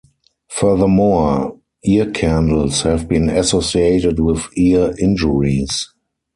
Furthermore, ear candles have been associated with ear injuries.